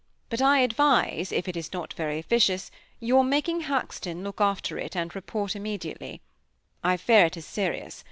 But I advise, if it is not very officious, your making Haxton look after it and report immediately. I fear it is serious.